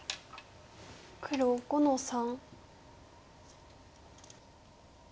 黒５の三。